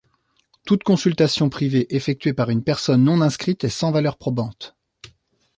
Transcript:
Toute consultation privée effectuée par une personne non inscrite est sans valeur probante.